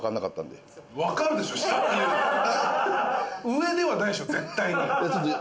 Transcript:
上ではないでしょ絶対に。